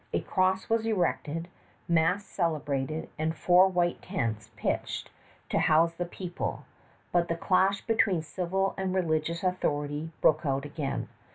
A cross was erected, mass celebrated, and four white tents pitched to house the people; but the clash between civil and religious authority broke out again.